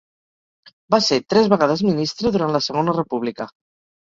Va ser tres vegades ministre durant la Segona República.